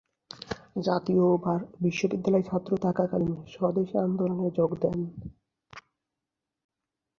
জাতীয় বিদ্যালয়ের ছাত্র থাকাকালীন স্বদেশী আন্দোলনে যোগ দেন।